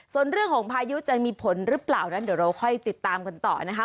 ส่วนเรื่องของพายุจะมีผลหรือเปล่านั้นเดี๋ยวเราค่อยติดตามกันต่อนะคะ